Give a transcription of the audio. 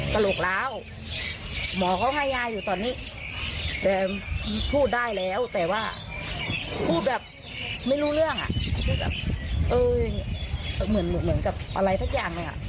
ตาก็แบบโปรดข้ามแล้วไง